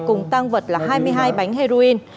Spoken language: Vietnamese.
cùng tăng vật là hai mươi hai bánh heroin